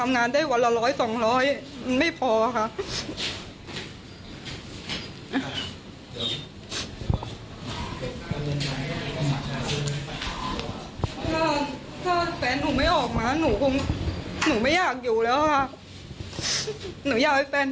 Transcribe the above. วิ่งเลยวิ่งเลยวิ่งเลยวิ่งเลย